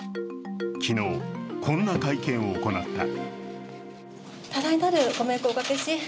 昨日こんな会見を行った。